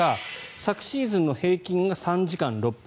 昨シーズンの平均が３時間６分。